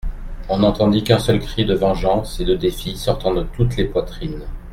On n'entendit qu'un seul cri de vengeance et de défi sortant de toutes les poitrines.